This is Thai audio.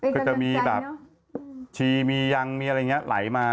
ก็จะมีแบบชีมียังมีอะไรอย่างนี้ไหลมา